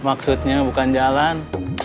maksudnya bukan jalan